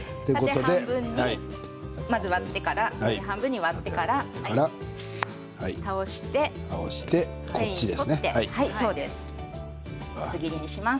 まず半分に割ってから倒して繊維に沿って薄切りにします。